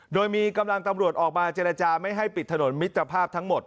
โดยมีกำลังตำรวจออกมาเจรจาไม่ให้ปิดถนนมิตรภาพทั้งหมด